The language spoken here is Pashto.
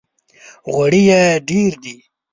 غوړي یې ډېر دي!